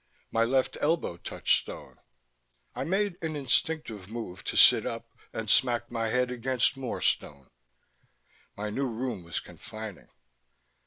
My left elbow touched stone. I made an instinctive move to sit up and smacked my head against more stone. My new room was confining.